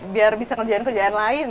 biar bisa ngerjain kerjaan lain